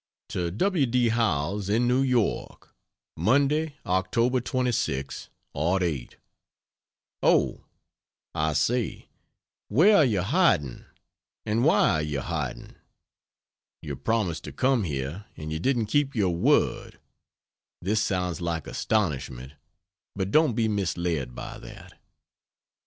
To W. D. Howells, in New York: Monday, Oct. 26, '08. Oh, I say! Where are you hiding, and why are you hiding? You promised to come here and you didn't keep your word. (This sounds like astonishment but don't be misled by that.)